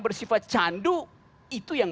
bersifat candu itu yang